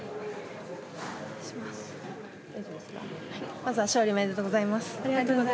まずは勝利おめでとうございます。